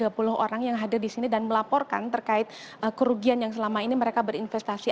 jadi sekitar satu ratus tiga puluh orang yang hadir di sini dan melaporkan terkait kerugian yang selama ini mereka berinvestasi